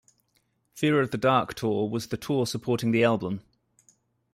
Fear of the Dark Tour was the tour supporting the album.